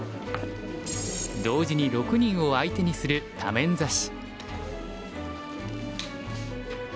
同時に６人を相手にする多面指し。